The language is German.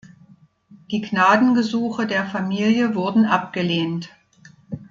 Die Gnadengesuche der Familie wurden abgelehnt.